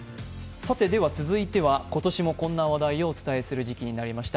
続いては、今年もこんな話題をお伝えする季節になりました。